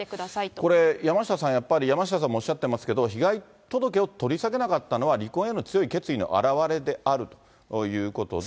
これ、山下さん、やっぱり山下さんもおっしゃってますけど、被害届を取り下げなかったのは、離婚への強い決意の表れであるということで。